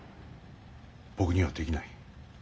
僕にはできない。